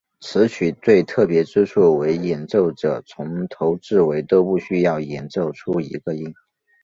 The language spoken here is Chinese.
此曲最特别之处为演奏者从头至尾都不需要演奏出一个音。